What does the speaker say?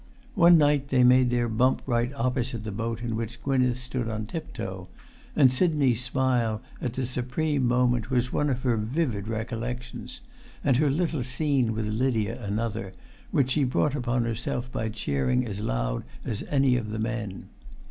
One night they made their bump right opposite the boat in which Gwynneth stood on tiptoe; and Sidney's smile at the supreme moment was one of her vivid recollections; and her little scene with Lydia another, which she brought upon herself by cheering as loud as any of[Pg 298] the men.